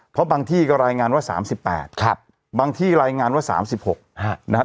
เพราะบางที่ก็รายงานว่า๓๘บางที่รายงานว่า๓๖นะครับ